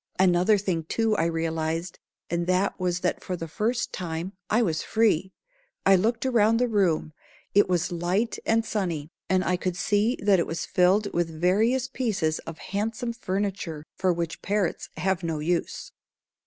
Another thing too I realized, and that was that for the first time I was free. I looked around the room. It was light and sunny, and I could see that it was filled with various pieces of handsome furniture for which parrots have no use.